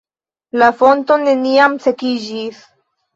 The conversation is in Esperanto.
La fonto neniam sekiĝis.